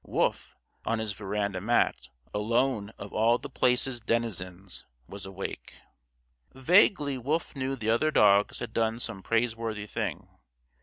Wolf, on his veranda mat, alone of all The Place's denizens, was awake. Vaguely Wolf knew the other dogs had done some praiseworthy thing.